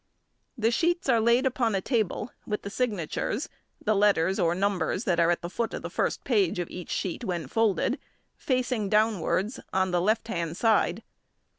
|4| The sheets are laid upon a table with the signatures (the letters or numbers that are at the foot of the first page of each sheet when folded) facing downwards on the left hand side.